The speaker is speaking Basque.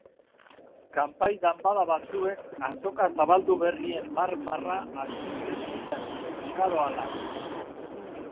Kanpai danbada batzuek azoka zabaldu berrien marmarra astintzen zuten, igaro ahala.